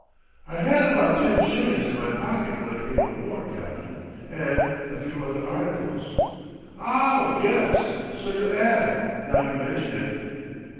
"I had about ten shillings in my pocket when I came aboard, captain, and ... a few other articles." "Ow, yes; so you 'ad, now you mention it."